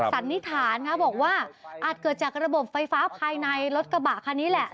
สันนิษฐานค่ะบอกว่าอาจเกิดจากระบบไฟฟ้าภายในรถกระบะคันนี้แหละ